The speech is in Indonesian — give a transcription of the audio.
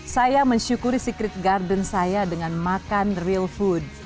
saya mensyukuri secret garden saya dengan makan real food